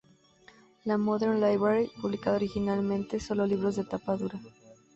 La "Modern Library" publicaba originalmente solo libros de tapa dura.